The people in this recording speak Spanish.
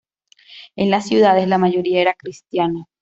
En las ciudades, la mayoría era cristiana.